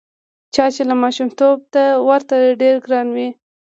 چا چې له ماشومتوبه ته ورته ډېر ګران وې.